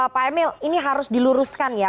pak emil ini harus diluruskan ya